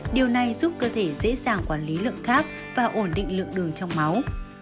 điều này giúp cơ thể dễ dàng quản lý lượng khác và ổn định lượng đường trong máu